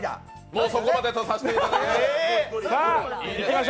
もうそこまでとさせていただきます。